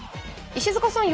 石塚さん